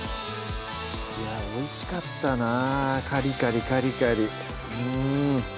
おいしかったなカリカリカリカリうん